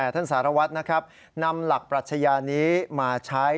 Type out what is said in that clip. ท่านสารวัตรนะครับนำหลักปรัชญานี้มาใช้